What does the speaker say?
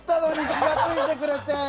気が付いてくれて。